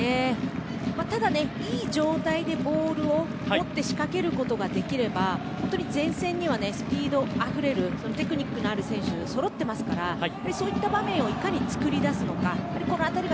ただ、いい状態でボールを持って仕掛けることができれば前線にはスピードあふれるテクニックのある選手がそろっていますからそういった場面をいかに作り出すのか。